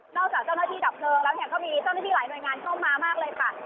จากเจ้าหน้าที่ดับเพลิงแล้วเนี่ยก็มีเจ้าหน้าที่หลายหน่วยงานเข้ามามากเลยค่ะ